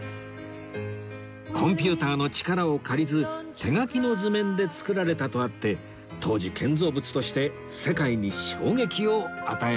コンピューターの力を借りず手書きの図面で造られたとあって当時建造物として世界に衝撃を与えたんだそうです